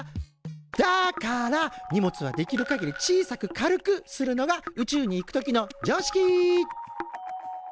だから荷物はできるかぎり小さく軽くするのが宇宙に行く時の常識。